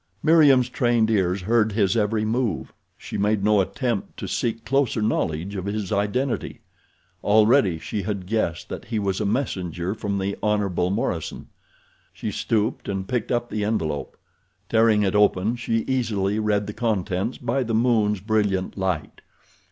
Meriem's trained ears heard his every move. She made no attempt to seek closer knowledge of his identity. Already she had guessed that he was a messenger from the Hon. Morison. She stooped and picked up the envelope. Tearing it open she easily read the contents by the moon's brilliant light.